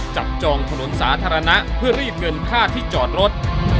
จองถนนสาธารณะเพื่อรีดเงินค่าที่จอดรถ